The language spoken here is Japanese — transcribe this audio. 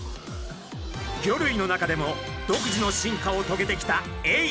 魚類の中でも独自の進化をとげてきたエイ。